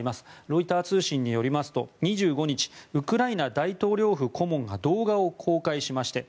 ロイター通信によりますと２５日ウクライナ大統領府顧問が動画を公開しまして